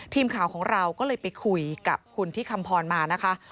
ทีมข่าวของเราก็เลยไปคุยกับคุณที่คำพรมานะคะ